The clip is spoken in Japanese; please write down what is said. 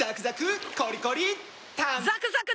ザクザク！